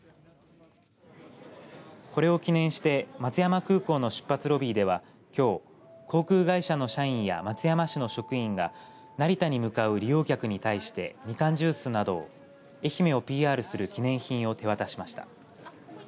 これを記念して松山空港の出発ロビーではきょう航空会社の社員や松山市の職員が成田に向かう利用客に対してみかんジュースなど愛媛をＰＲする記念品を手渡しました。